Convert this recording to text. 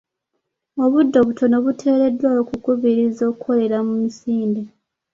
Obudde obutono obuteereddwaawo bukubirizia okukolera ku misinde.